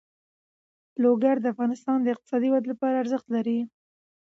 لوگر د افغانستان د اقتصادي ودې لپاره ارزښت لري.